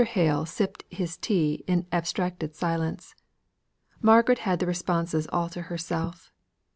Hale sipped his tea in abstracted silence; Margaret had the responses all to herself.